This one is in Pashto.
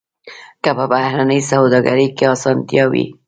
که په بهرنۍ سوداګرۍ کې اسانتیا وي.